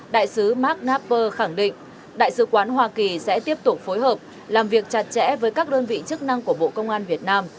đại sứ mark nnapper khẳng định đại sứ quán hoa kỳ sẽ tiếp tục phối hợp làm việc chặt chẽ với các đơn vị chức năng của bộ công an việt nam